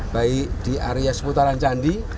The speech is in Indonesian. baik di area seputaran candi